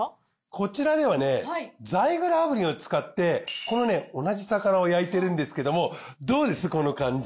こちらではねザイグル炙輪を使ってこのね同じ魚を焼いてるんですけどもどうですこの感じ。